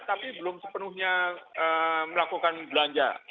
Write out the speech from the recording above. tapi belum sepenuhnya melakukan belanja